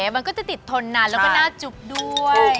มันก็จะติดทนนานแล้วก็หน้าจุ๊บด้วย